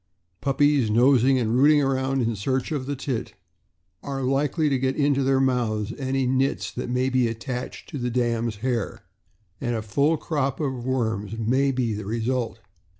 Puppies nosing and rooting around in search of the teat are likely to get into their mouths any nits that may be attached to the dam' s hair, and a full crop of worms may be the result.